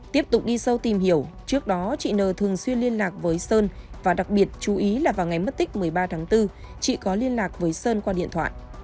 tiếp tục đi sâu tìm hiểu trước đó chị n thường xuyên liên lạc với sơn và đặc biệt chú ý là vào ngày mất tích một mươi ba tháng bốn chị có liên lạc với sơn qua điện thoại